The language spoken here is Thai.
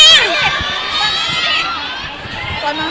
ก่อนก่อนนะ